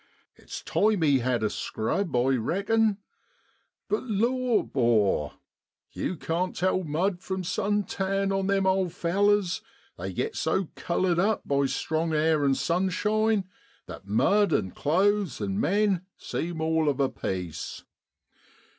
It's time he had a scrub, I reckon; but law, 'bor, you can't tell mud from sun tan on them old fellars, they get so coloured up by strong air an' sunshine that mud an clothes an' men seem all of a piece.'